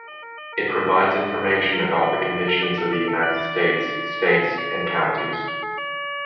It provides information about the conditions of the United States, states, and counties.